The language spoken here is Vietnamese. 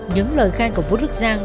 những lời khai của vũ đức giang